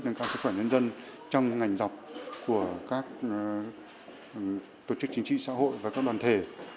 nâng cao sức khỏe nhân dân trong ngành dọc của các tổ chức chính trị xã hội và các đoàn thể